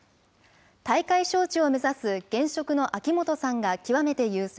大会招致を目指す現職の秋元さんが極めて優勢。